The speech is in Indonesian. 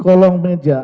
karena cerjaan kita